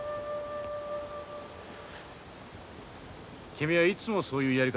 君はいつもそういうやり方なの？